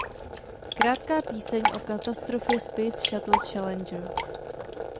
Krátká píseň o katastrofě Space Shuttle Challenger.